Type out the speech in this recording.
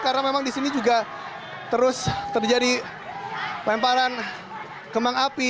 karena memang di sini juga terus terjadi lemparan kembang api